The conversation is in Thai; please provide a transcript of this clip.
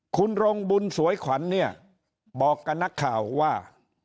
คุณรงบุญสวยขวัญเนี่ยบอกกับนักข่าวว่า